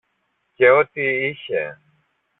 και ό,τι είχε